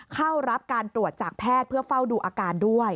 เข้ารับการตรวจจากแพทย์เพื่อเฝ้าดูอาการด้วย